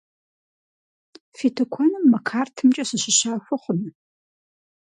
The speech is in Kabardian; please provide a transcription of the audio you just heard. Фи тыкуэным мы картымкӏэ сыщыщахуэ хъуну?